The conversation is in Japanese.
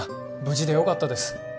無事でよかったです